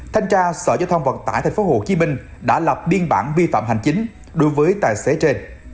thanh tra sở giao thông vận tải tp hcm đã lập biên bản vi phạm hành chính đối với tài xế trên